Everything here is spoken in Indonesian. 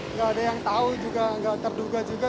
nggak ada yang tahu juga nggak terduga juga